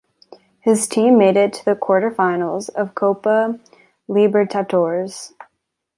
His team made it to the quarter finals of Copa Libertadores.